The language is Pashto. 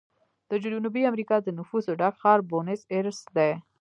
د جنوبي امریکا د نفوسو ډک ښار بونس ایرس دی.